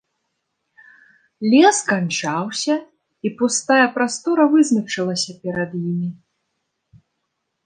Лес канчаўся, і пустая прастора вызначылася перад імі.